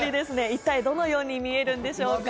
一体どのように見えるんでしょうか？